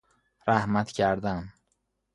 رحمت کردن